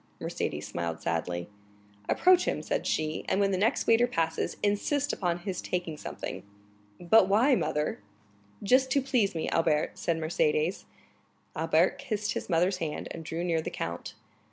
Mercédès smiled sadly. "Approach him," said she, "and when the next waiter passes, insist upon his taking something." "But why, mother?" "Just to please me, Albert," said Mercédès. Albert kissed his mother's hand, and drew near the count.